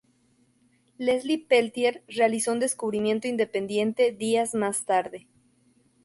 Leslie Peltier realizó un descubrimiento independiente días más tarde.